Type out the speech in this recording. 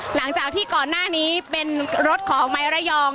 หลังจากที่ก่อนหน้านี้เป็นรถของ